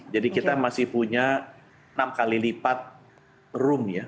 jadi kita masih punya enam kali lipat room ya